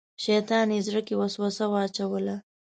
شیطان یې زړه کې وسوسه واچوله.